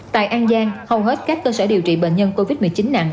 tại an giang hầu hết các cơ sở điều trị bệnh nhân covid một mươi chín nặng